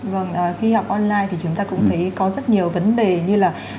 vâng khi học online thì chúng ta cũng thấy có rất nhiều vấn đề như là